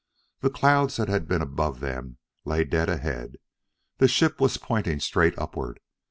The clouds that had been above them lay dead ahead; the ship was pointing straight upward.